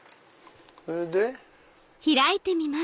それで。